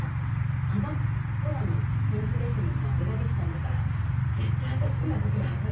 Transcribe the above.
あの頃のピンク・レディーのあれができたんだから絶対私にはできるはずと思って。